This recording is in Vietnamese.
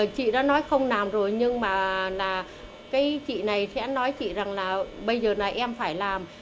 chị đã nói không làm rồi nhưng mà cái chị này sẽ nói chị rằng là bây giờ là em phải làm